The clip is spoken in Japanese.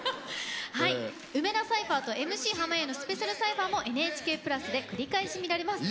はい梅田サイファーとＭＣ濱家のスペシャルサイファーもＮＨＫプラスで繰り返し見られます。